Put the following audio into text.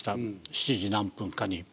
７時何分かに。